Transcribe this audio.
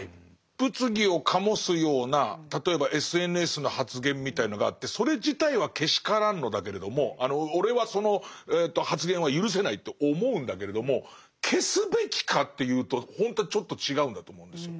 物議を醸すような例えばＳＮＳの発言みたいのがあってそれ自体はけしからんのだけれども「俺はその発言は許せない」と思うんだけれども消すべきかっていうとほんとはちょっと違うんだと思うんですよ。